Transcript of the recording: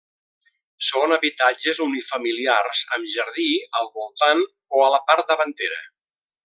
Són habitatges unifamiliars, amb jardí al voltant o a la part davantera.